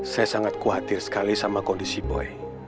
saya sangat khawatir sekali sama kondisi boy